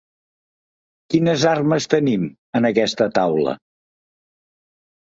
Quines armes tenim, en aquesta taula?